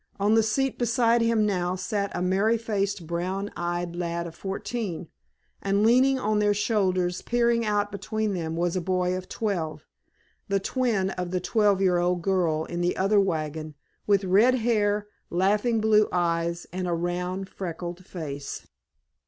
On the seat beside him now sat a merry faced, brown eyed lad of fourteen, and leaning on their shoulders peering out between them was a boy of twelve, the twin of the twelve year old girl in the other wagon, with red hair, laughing blue eyes, and a round, freckled face.